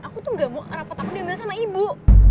aku tuh gak mau rapot aku udah bilang sama ibu